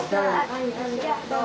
はいありがとう。